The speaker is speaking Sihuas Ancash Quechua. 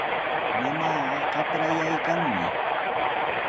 Mamaaqa qaprayaykanmi.